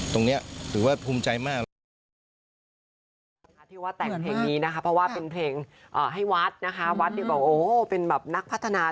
ตรงนี้ถือว่าภูมิใจมากเลย